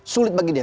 sulit bagi dia